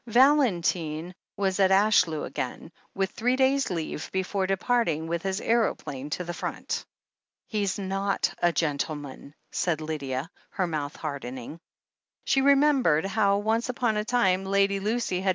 Valentine was at Ashlew again, with three days' leave before departing with his aeroplane to the front. 407 4o8 THE HEEL OF ACHILLES I I He's not a gentleman/' said Lydia, her mouth hardening. She remembered how, once upon a time, Lady Lucy had.